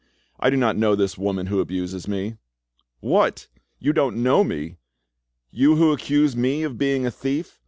I do not know this woman who abuses me." "What!—you don't know me! You who accused me of being a thief!